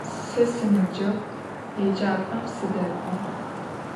Se sinıbceğu yêcap'em sıdek'o.